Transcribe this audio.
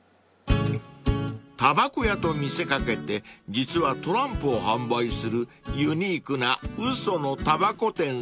［たばこ屋と見せ掛けて実はトランプを販売するユニークな］